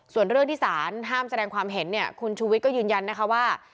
ส่วนเรื่องที่สารห้ามแสดงความเห็นเนี่ยคุณชูวิทย์ก็ยืนยันนะคะว่า